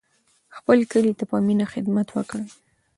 خپل کلي ته په مینه خدمت وکړئ.